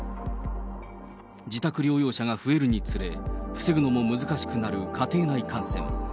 自宅療養者が増えるにつれ、防ぐのも難しくなる家庭内感染。